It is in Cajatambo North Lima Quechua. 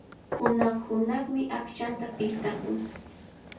Hunaq-hunaqmi aqchanta piltakun.